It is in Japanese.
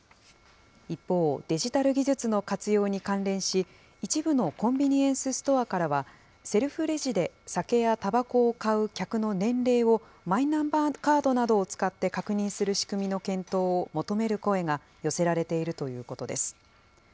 一方、デジタル技術の活用に関連し、一部のコンビニエンスストアからは、セルフレジで酒やたばこを買う客の年齢を、マイナンバーカードなどを使って確認する仕組みの検討を求める声が寄せられているということです。